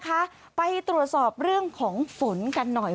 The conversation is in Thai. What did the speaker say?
เพื่อให้ตรวจสอบเรื่องของฝนกันหน่อย